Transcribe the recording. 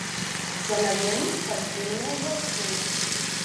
Яна вельмі спартыўная дзяўчына.